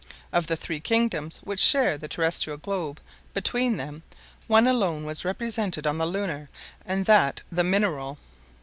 Of the three kingdoms which share the terrestrial globe between them, one alone was represented on the lunar and that the mineral.